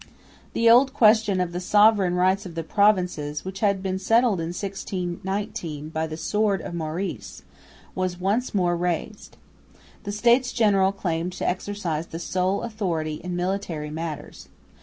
The old question of the sovereign rights of the Provinces, which had been settled in 1619 by the sword of Maurice, was once more raised. The States General claimed to exercise the sole authority in military matters.